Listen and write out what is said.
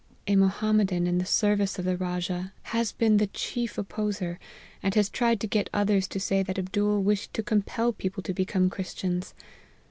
' A Mohammedan in the service of the Rajah has been the chief op poser, and has tried to get others to say that Ab dool wished to compel people to become Christians.